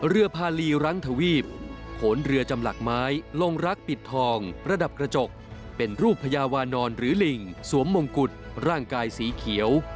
เรือพาลีรังทวีปโขนเรือจำหลักไม้ลงรักปิดทองประดับกระจกเป็นรูปพญาวานอนหรือลิงสวมมงกุฎร่างกายสีเขียว